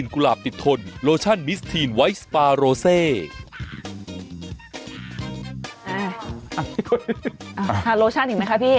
โลชั่นอีกไหมคะพี่